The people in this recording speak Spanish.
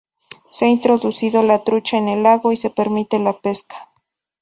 Se ha introducido la trucha en el lago y se permite la pesca.